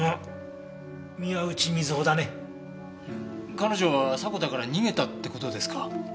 彼女は迫田から逃げたって事ですか？